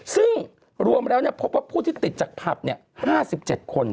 ซึ่งรวมแล้วพบว่าผู้ที่ติดจากผับ๕๗คน